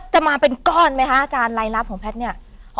จะมาเป็นก้อนไหมคะอาจารย์รายลับของแพทย์เนี่ย